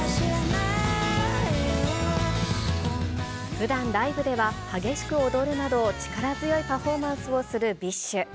ふだん、ライブでは激しく踊るなど力強いパフォーマンスをするＢｉＳＨ。